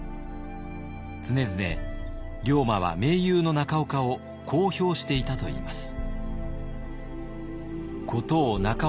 常々龍馬は盟友の中岡をこう評していたといいます。